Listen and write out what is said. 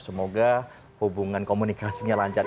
semoga hubungan komunikasinya lancar